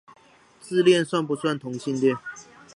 自戀算不算同性戀？